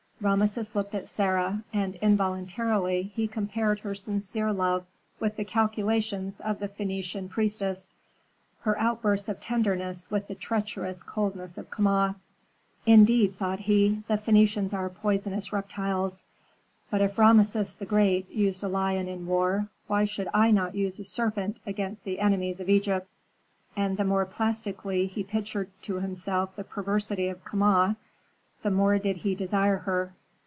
Rameses looked at Sarah, and involuntarily he compared her sincere love with the calculations of the Phœnician priestess, her outbursts of tenderness with the treacherous coldness of Kama. "Indeed," thought he, "the Phœnicians are poisonous reptiles. But if Rameses the Great used a lion in war, why should I not use a serpent against the enemies of Egypt?" And the more plastically he pictured to himself the perversity of Kama, the more did he desire her.